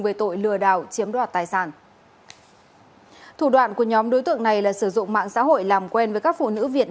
về tội lừa đảo chiếm đoạt tài sản